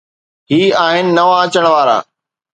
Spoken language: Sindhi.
هي آهن نوان اچڻ وارا.